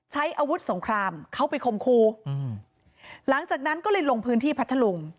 ใช้อาวุธสงครามเข้าไปคมครูอืมหลังจากนั้นก็เลยลงพื้นที่พัทธลุง